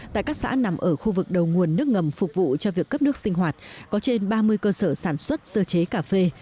tại các xã nằm ở khu vực đầu nguồn nước ngầm phục vụ cho việc cấp nước sinh hoạt có trên ba mươi cơ sở sản xuất sơ chế cà phê